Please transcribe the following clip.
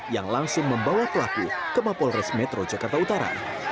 yang langsung membawa pelaku ke mapolres metro jakarta utara